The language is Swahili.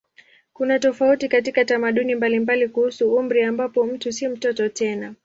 Kuna tofauti katika tamaduni mbalimbali kuhusu umri ambapo mtu si mtoto tena.